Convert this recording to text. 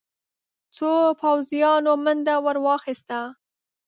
څو پوځيانو منډه ور واخيسته.